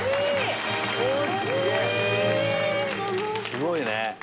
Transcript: すごいね！